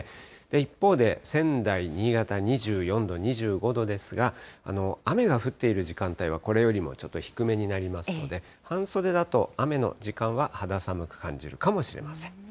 一方で仙台、新潟２４度、２５度ですが、雨が降っている時間帯はこれよりもちょっと低めになりますので、半袖だと雨の時間は肌寒く感じるかもしれません。